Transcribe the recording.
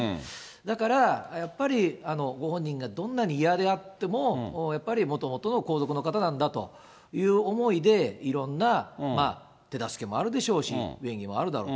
だから、やっぱり、ご本人がどんなに嫌であっても、やっぱりもともとの皇族の方なんだという思いで、いろんな手助けもあるでしょうし、便宜もあるだろう。